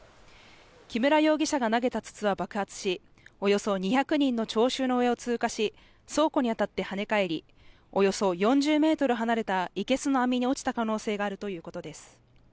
木村容疑者が投げた筒は爆発し、およそ２００人の聴衆の上を通過し倉庫に当たって跳ね返り、およそ４０ｍ離れたいけすの網に落ちた可能性があるということです。